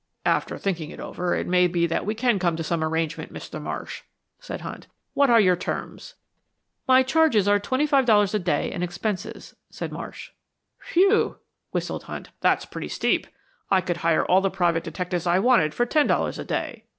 "After thinking it over, it may be that we can come to some arrangement, Mr. Marsh," said Hunt. "What are your terms?" "My charges are $25.00 a day, and expenses," said Marsh. "Whew!" whistled Hunt, "that's pretty steep. I could hire all the private detectives I wanted for ten dollars a day."